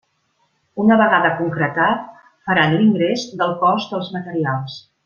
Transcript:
Una vegada concretat, faran l'ingrés del cost dels materials.